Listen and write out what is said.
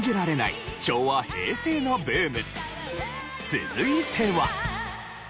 続いては。